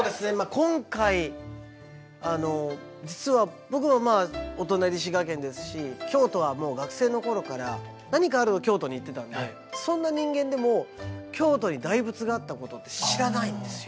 今回あの実は僕もまあお隣滋賀県ですし京都はもう学生の頃から何かあれば京都に行ってたんでそんな人間でも京都に大仏があったことって知らないんですよ。